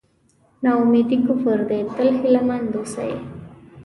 نا اميدي کفر دی تل هیله مند اوسئ.